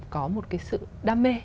có một cái sự đam mê